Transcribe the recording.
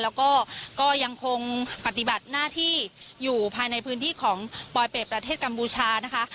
แล้วก็ก็ยังคงปฏิบัติหน้าที่อยู่ภายในพื้นที่ของปลอยเป็ดประเทศกัมพูชานะคะ